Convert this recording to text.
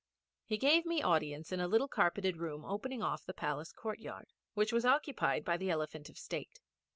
He gave me audience in a little carpeted room opening off the palace courtyard which was occupied by the Elephant of State.